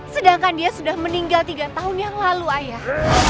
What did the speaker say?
sedangkan dia sudah meninggal tiga tahun yang lalu ayah